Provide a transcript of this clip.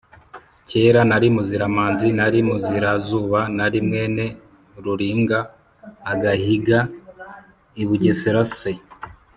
kera nari muziramazi, nari muzirazuba, nari mwene ruringa agahiga i bugesera.” se